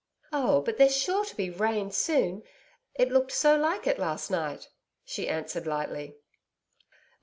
'Oh! but there's sure to be rain soon. It looked so like it last night,' she answered lightly.